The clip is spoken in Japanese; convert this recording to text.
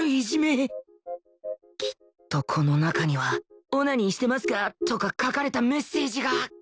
きっとこの中には「オナニーしてますか？」とか書かれたメッセージが